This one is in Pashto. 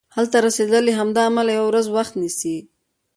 هلته رسیدل له همدې امله یوه ورځ وخت نیسي.